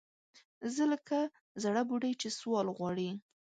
زه لکه زَړه بوډۍ چې سوال غواړي